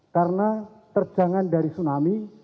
karena terjangan dari tsunami